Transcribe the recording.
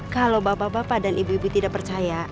kalau bapak bapak dan ibu ibu tidak percaya